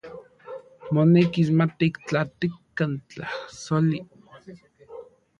Monekis matiktlatikan tlajsoli.